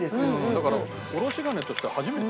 だからおろし金として初めて。